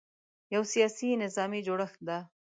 یو سیاسي – نظامي جوړښت دی.